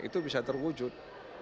itu bisa terwujud